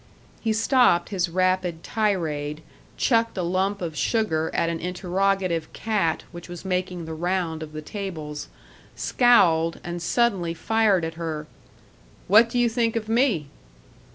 He stopped his rapid tirade, chucked a lump of sugar at an interrogative cat which was making the round of the tables, scowled, and suddenly fired at her: "What do you think of me?"